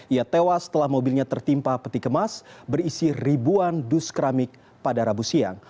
ia tewas setelah mobilnya tertimpa peti kemas berisi ribuan dus keramik pada rabu siang